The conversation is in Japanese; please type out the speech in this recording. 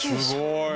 すごい！